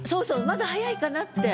まだ早いかなって。